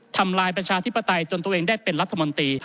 ทำลายประชาธิปไตยจนตัวเองได้เป็นรัฐมนตรี